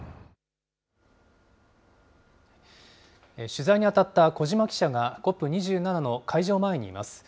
取材にあたった小島記者が、ＣＯＰ２７の会場前にいます。